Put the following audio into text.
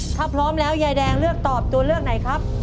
ถ้าพร้อมแล้วยายแดงเลือกตอบตัวเลือกไหนครับ